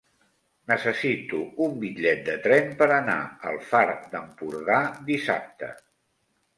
Necessito un bitllet de tren per anar al Far d'Empordà dissabte.